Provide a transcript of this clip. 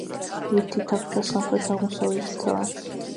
ერთი თახჩა სამხრეთ-აღმოსავლეთითაა.